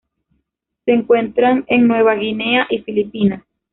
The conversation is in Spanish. Se encuentran en Nueva Guinea y Filipinas.